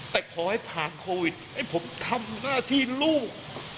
แต่ขอให้ผ่านโควิดให้ผมทำหน้าที่ลูก